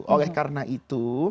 oleh karena itu